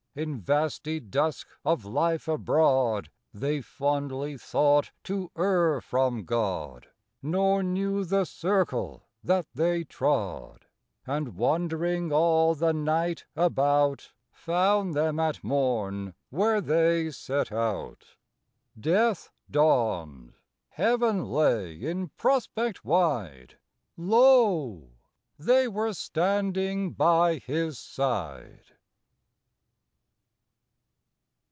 In vasty dusk of life abroad, They fondly thought to err from God, Nor knew the circle that they trod; And, wandering all the night about, Found them at morn where they set out. Death dawned; Heaven lay in prospect wide: Lo! they were standing by His side!